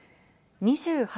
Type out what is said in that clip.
２８